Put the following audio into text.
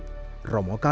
melalui yayasan tersebut